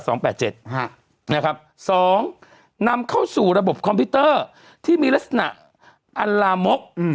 นะครับสองนำเข้าสู่ระบบคอมพิวเตอร์ที่มีลักษณะอัลลามกอืม